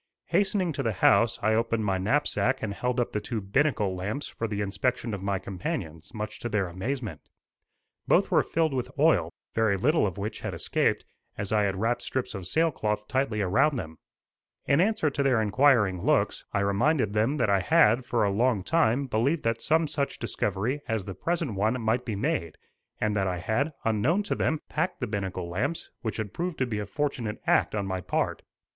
Hastening to the house I opened my knapsack and held up the two binnacle lamps for the inspection of my companions, much to their amazement. Both were filled with oil, very little of which had escaped, as I had wrapped strips of sailcloth tightly around them. In answer to their inquiring looks, I reminded them that I had, for a long time, believed that some such discovery as the present one might be made, and that I had, unknown to them, packed the binnacle lamps which had proved to be a fortunate act on my part.